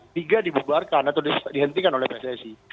tiga dibubarkan atau dihentikan oleh pssi